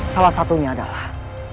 salah satunya adalah